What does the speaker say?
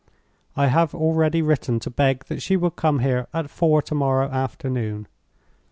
I have already written to beg that she will come here at four to morrow afternoon.